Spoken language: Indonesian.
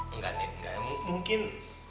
enggak nid enggak ya mungkin